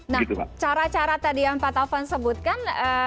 nah cara cara tadi yang pak taufan sebutkan